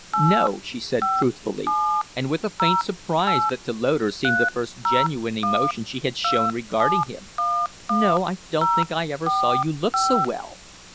"No," she said, truthfully, and with a faint surprise that to Loder seemed the first genuine emotion she had shown regarding him. "No, I don't think I ever saw you look so well."